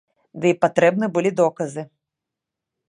Ды і патрэбны былі доказы.